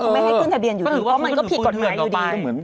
เขาไม่ให้ขึ้นทะเบียนอยู่อีกเพราะมันก็ผิดกฎหมายอยู่ดี